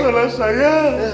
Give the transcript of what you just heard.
bukan salah saya